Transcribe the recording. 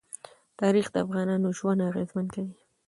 تاریخ د افغانانو ژوند اغېزمن کوي.